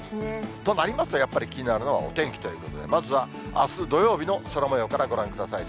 となりますと、やっぱり気になるのはお天気ということで、まずはあす土曜日の空もようからご覧ください。